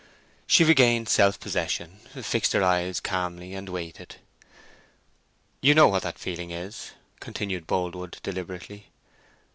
She regained self possession, fixed her eyes calmly, and waited. "You know what that feeling is," continued Boldwood, deliberately.